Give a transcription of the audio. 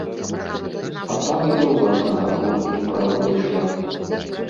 А там і да ўласнага гурту справа дайшла.